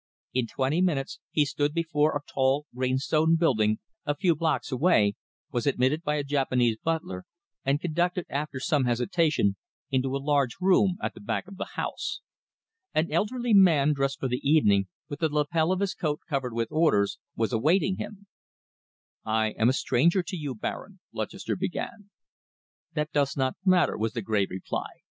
In twenty minutes he stood before a tall, grey stone building, a few blocks away, was admitted by a Japanese butler, and conducted, after some hesitation, into a large room at the back of the house. An elderly man, dressed for the evening, with the lapel of his coat covered with orders, was awaiting him. "I am a stranger to you, Baron," Lutchester began. "That does not matter," was the grave reply.